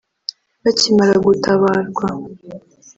Bakimara gutabarwa